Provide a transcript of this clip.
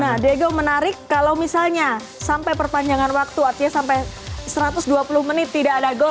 nah diego menarik kalau misalnya sampai perpanjangan waktu artinya sampai satu ratus dua puluh menit tidak ada gol